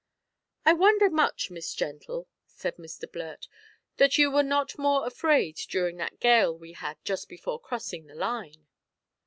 "I wonder much, Miss Gentle," said Mr Blurt, "that you were not more afraid during that gale we had just before crossing the line?"